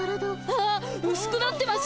あうすくなってます！